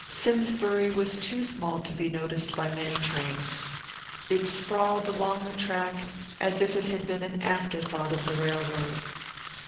Simsbury was too small to be noticed by many trains. It sprawled along the track as if it had been an afterthought of the railroad.